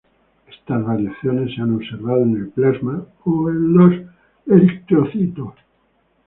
Estas variaciones se han observado en el plasma o los eritrocitos.